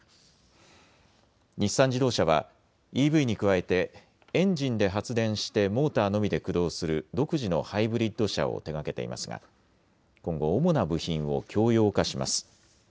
日産自動車はＥＶに加えてエンジンで発電してモーターのみで駆動する独自のハイブリッド車を手がけていますが今後、主な部品を共用化します。